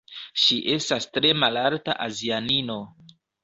Ŝi estas tre malalta azianino